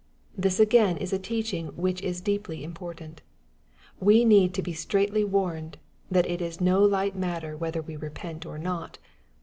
This again is a teaching which is deeply important. We need to be straitly warned, that it is no light matter whether we repent or not.